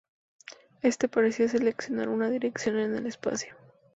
Este parecía seleccionar una dirección en el espacio.